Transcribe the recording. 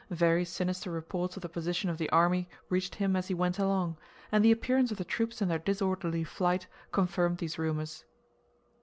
Very sinister reports of the position of the army reached him as he went along, and the appearance of the troops in their disorderly flight confirmed these rumors.